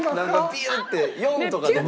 ピュッて４とかでも。